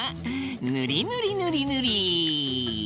ぬりぬりぬりぬり！